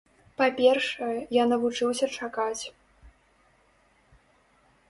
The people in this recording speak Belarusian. Па-першае, я навучыўся чакаць.